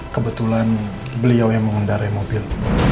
kebetulan beliau yang mengendarai mobil